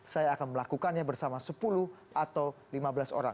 saya akan melakukannya bersama sepuluh atau lima belas orang